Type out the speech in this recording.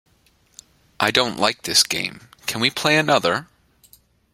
I don't like this game, can we play another?